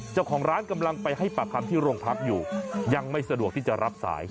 เจ้าของร้านกำลังไปให้ปากคำที่โรงพักอยู่ยังไม่สะดวกที่จะรับสาย